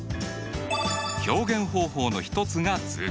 表現方法の一つが図形化。